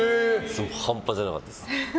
半端じゃなかったです。